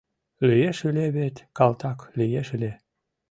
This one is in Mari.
Лиеш ыле вет, калтак, лиеш ыле.